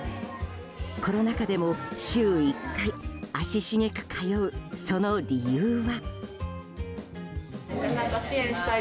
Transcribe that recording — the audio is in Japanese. コロナ禍でも週１回足しげく通うその理由は？